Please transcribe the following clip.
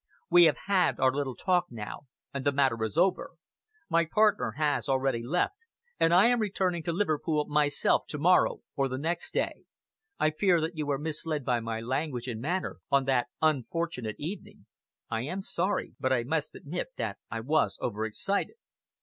We have had our little talk now, and the matter is over. My partner has already left, and I am returning to Liverpool myself to morrow or the next day. I fear that you were misled by my language and manner on that unfortunate evening. I am sorry; but I must admit that I was over excited."